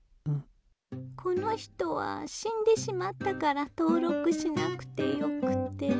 この人は死んでしまったから登録しなくてよくて。